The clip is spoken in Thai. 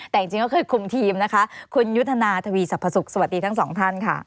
แต่จริงก็เคยคุมทีมนะคะคุณยุทธนาทวีสรรพสุขสวัสดีทั้งสองท่านค่ะ